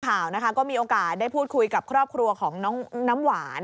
ผู้สิทธิ์ข่าวก็มีโอกาสได้พูดคุยกับครอบครัวของน้องน้ำหวาน